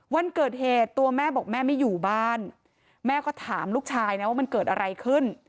วันเกิดเหตุตัวแม่บอกแม่ไม่อยู่บ้านแม่ก็ถามลูกชายนะว่ามันเกิดอะไรขึ้น